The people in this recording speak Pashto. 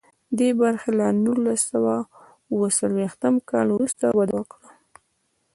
دې برخې له نولس سوه اوه څلویښتم کال وروسته وده وکړه.